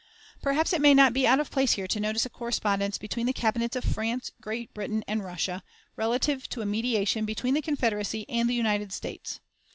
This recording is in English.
Perhaps it may not be out of place here to notice a correspondence between the Cabinets of France, Great Britain, and Russia, relative to a mediation between the Confederacy and the United States.